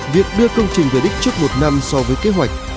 việc đưa công trình về đích trước một năm so với kế hoạch